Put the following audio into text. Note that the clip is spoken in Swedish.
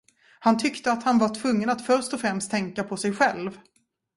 Han tyckte, att han var tvungen att först och främst tänka på sig själv.